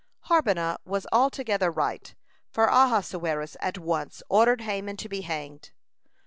(182) Harbonah was altogether right, for Ahasuerus at once ordered Haman to be hanged.